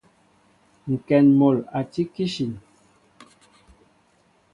Ŋkɛn mol a tí kishin.